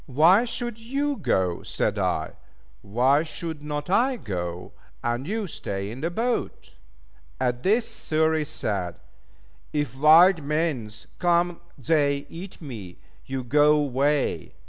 "Why should you go?" said I; "Why should not I go, and you stay in the boat?" At this Xury said, "if wild mans come they eat me, you go way."